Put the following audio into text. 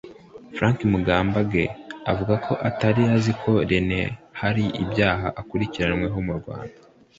Frank Mugambage avuga ko Atari azi ko Rene hari ibyaha akurikiranweho mu Rwanda